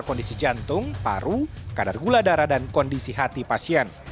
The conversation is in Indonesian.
kondisi jantung paru kadar gula darah dan kondisi hati pasien